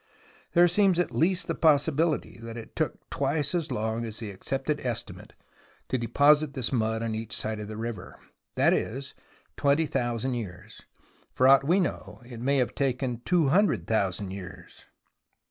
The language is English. There seems at least the possibiHty that it took twice as long as the accepted estimate to deposit the mud on each side of the river, that is twenty thousand years. For aught we know, it may have taken two hundred thousand years.